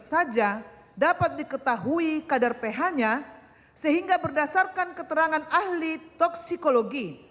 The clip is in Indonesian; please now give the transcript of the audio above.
saja dapat diketahui kadar ph nya sehingga berdasarkan keterangan ahli toksikologi